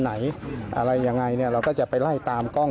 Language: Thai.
อะไรยังไงเราก็จะไปไล่ตามกล้อง